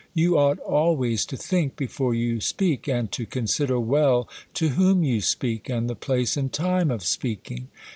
You ought always to think before you speak, and to consider well to whom you speak, and the place and time of speaking.